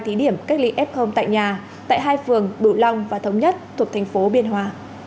thí điểm cách ly f tại nhà tại hai phường bửu long và thống nhất thuộc thành phố biên hòa